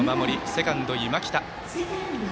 セカンド、今北。